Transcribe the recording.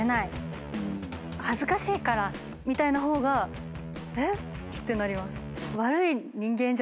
「恥ずかしいから」みたいな方がえっってなります。